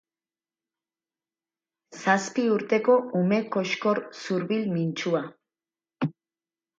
Zazpi urteko ume koxkor zurbil mintsua.